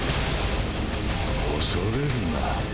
恐れるな。